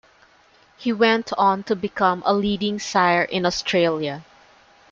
He went on to become a leading sire in Australia.